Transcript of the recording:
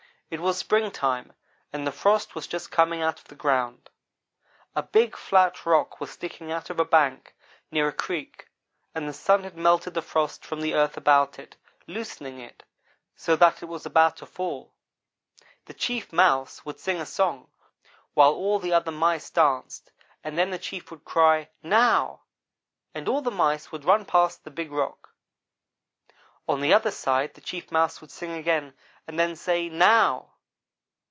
It was springtime, and the frost was just coming out of the ground. A big flat rock was sticking out of a bank near a creek, and the sun had melted the frost from the earth about it, loosening it, so that it was about to fall. The Chief Mouse would sing a song, while all the other mice danced, and then the chief would cry 'now!' and all the mice would run past the big rock. On the other side, the Chief Mouse would sing again, and then say 'now!'